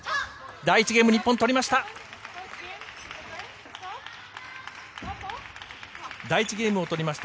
第１ゲーム日本取りました。